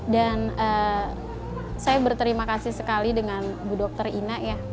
dan saya berterima kasih sekali dengan bu dr ina ya